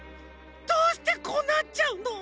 どうしてこうなっちゃうの！？